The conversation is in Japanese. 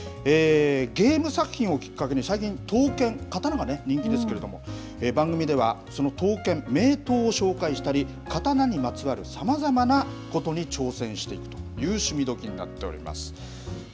ゲーム作品をきっかけに、最近、刀剣、刀が人気ですけれども、番組では、その刀剣、名刀を紹介したり、刀にまつわる挑戦していくという趣味どきっ！になっております。